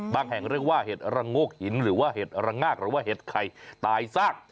แห่งเรียกว่าเห็ดระโงกหินหรือว่าเห็ดระงากหรือว่าเห็ดไข่ตายซาก